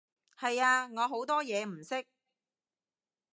係啊，我好多嘢唔識